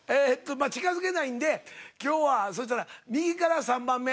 まあ近づけないんで今日はそしたら右から３番目。